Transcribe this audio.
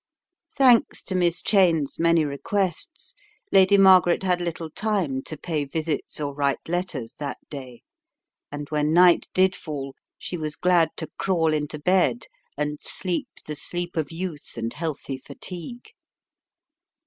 Thanks to Miss Cheyne's many requests, Lady Margaret had little time to pay visits or write letters that day, and when night did fall, she was glad to crawl into bed and sleep the sleep of youth and healthy fatigue.